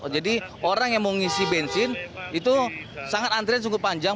jadi orang yang mengisi bensin itu sangat antrian sungguh panjang